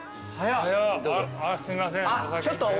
すいません。